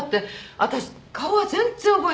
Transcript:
私顔は全然覚えてないの。